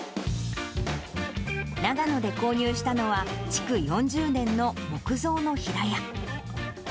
長野で購入したのは、築４０年の木造の平屋。